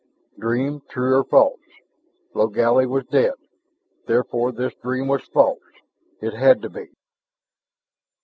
Dream true or false. Logally was dead; therefore, this dream was false, it had to be.